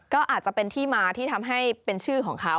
ก็อาจจะเป็นที่มาที่ทำให้เป็นชื่อของเขา